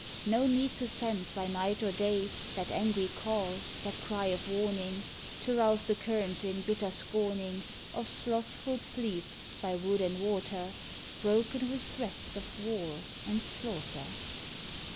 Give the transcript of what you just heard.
No need to send by night or day That angry call, that cry of warning To rouse the Kerns in bitter scorning Of slothful sleep, by wood and water Broken with threats of war and slaughter.